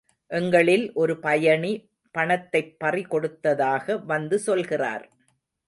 எங்களில் ஒரு பயணி பணத்தைப் பறி கொடுத்ததாக வந்து சொல்கிறார்.